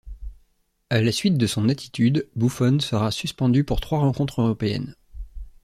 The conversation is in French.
À la suite de son attitude, Buffon sera suspendu pour trois rencontres européennes.